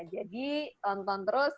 jadi tonton terus